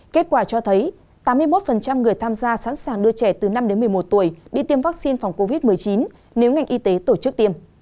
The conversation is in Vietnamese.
kết quả cho thấy tám mươi một người tham gia sẵn sàng đưa trẻ từ năm đến một mươi một tuổi đi tiêm vaccine phòng covid một mươi chín nếu ngành y tế tổ chức tiêm